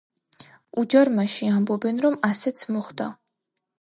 უჯარმაში ამბობენ, რომ ასეც მოხდა.